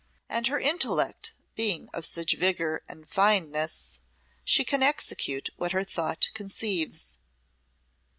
And her intellect being of such vigour and fineness, she can execute what her thought conceives."